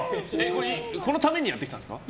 このためにやってきたんですか？